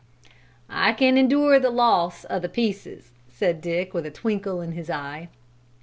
"I can endure the loss of the 'pieces,'" said Dick with a twinkle in his eye.